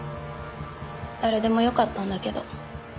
誰でもよかったんだけど。